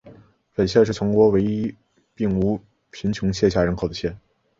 本县是全美国唯一并无贫穷线下人口的县。